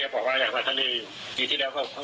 พ่อมาว่ามันจบมาไรก่อน